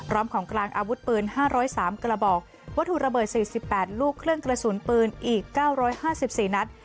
โดย๓กระบอกวัตถุระเบิด๔๘ลูกเครื่องกระสุนปืนอีก๙๕๔นัด